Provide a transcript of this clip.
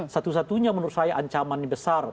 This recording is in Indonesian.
satu satunya menurut saya ancaman besar